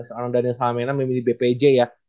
seorang daniel salmena memilih bpj ya